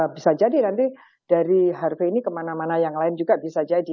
bisa jadi nanti dari harvey ini kemana mana yang lain juga bisa jadi